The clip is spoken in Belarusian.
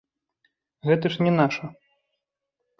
Гэта ж не наша!